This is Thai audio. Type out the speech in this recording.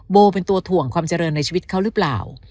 โบเป็นตัวถ่วงความเจริญในชีวิตเขาหรือเปล่า